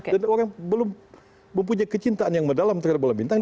dan orang belum mempunyai kecintaan yang mendalam terhadap belam bintang